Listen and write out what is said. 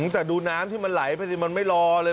แต่ดูน้ำที่มันไหลไปสิมันไม่รอเลย